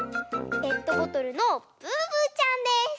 ペットボトルのブーブーちゃんです。